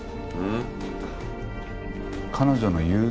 えっ。